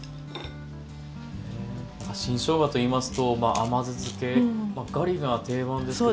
新しょうがといいますと甘酢漬けガリが定番ですけど。